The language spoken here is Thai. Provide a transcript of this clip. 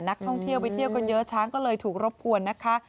นักท่องเที่ยวไปเที่ยวกันเยอะช้างก็เลยถูกรบกวนนะคะ